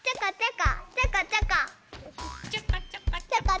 ちょこちょこ。